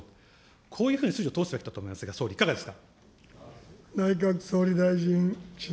こういうふうにすべきだと思いますが、総理、いかがですか。